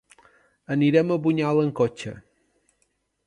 Anirem a Bunyola amb cotxe.